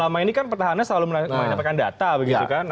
selama ini kan pertahanan selalu menampilkan data begitu kan